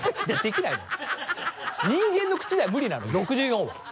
人間のくちでは無理なの６４は。